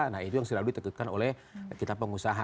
nah itu yang selalu ditentukan oleh kita pengusaha